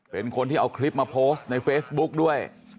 เป็นคนที่เอาคลิปมาโพสต์ในเฟซบุ๊กด้วย